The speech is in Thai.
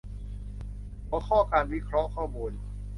หัวข้อการวิเคราะห์ข้อมูล